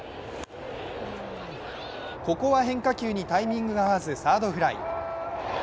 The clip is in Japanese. ここは変化球にタイミングが合わずサードフライ。